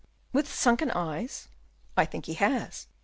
"With sunken eyes?" "I think he has."